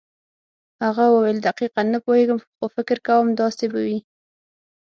هغه وویل دقیقاً نه پوهېږم خو فکر کوم داسې به وي.